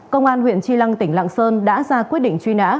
công an huyện tri lăng tỉnh lạng sơn đã ra quyết định truy nã